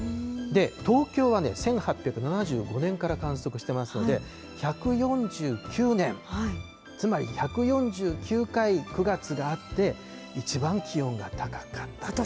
東京は１８７５年から観測してますので、１４９年、つまり１４９回９月があって、一番気温が高かったと。